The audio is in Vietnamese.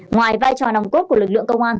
ngoài vai trò nồng cốt của lực lượng công an